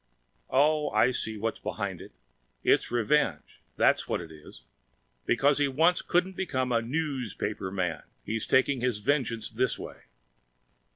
Oh, I see what's behind it! It's revenge, that's what it is! Because he once couldn't become a "noospaper" man, he's taking his vengeance this way.